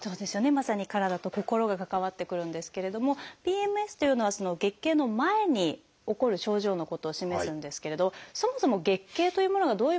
まさに体と心が関わってくるんですけれどもＰＭＳというのは月経の前に起こる症状のことを示すんですけれどそもそも月経というものがどういうものなのか